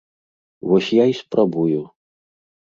Вось я і спрабую.